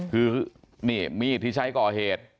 คือนี่มีดที่ใช้ก่อเหตุ